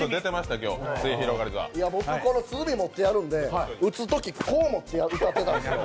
僕、鼓持ってやるんでこうやって歌ってたんですよ。